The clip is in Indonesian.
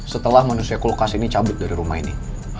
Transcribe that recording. setelah manusia kulkas ini cabut dari rumah ini